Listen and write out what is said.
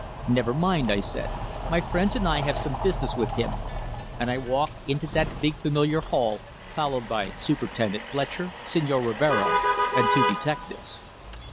"Never mind," I said. "My friends and I have some business with him." And I walked into that big familiar hall, followed by Superintendent Fletcher, Señor Rivero, and two detectives.